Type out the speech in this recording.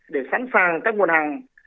để sẵn sàng các nguồn hàng